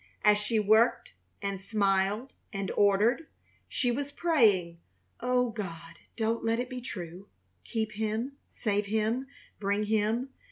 As she worked and smiled and ordered, she was praying: "Oh, God, don't let it be true! Keep him! Save him! Bring him!